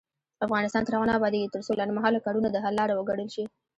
افغانستان تر هغو نه ابادیږي، ترڅو لنډمهاله کارونه د حل لاره وګڼل شي.